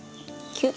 キュッ。